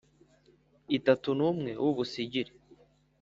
Itatu n umwe w ubusigire